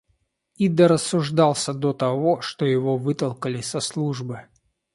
И дорассуждался до того, что его вытолкали со службы.